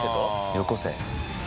「よこせ」。